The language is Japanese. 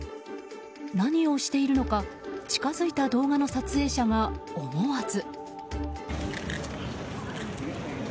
何をしているのか近づいた動画の撮影者が思わず。